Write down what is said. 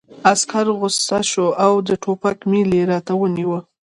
عسکر غوسه شو او د ټوپک میل یې راته ونیو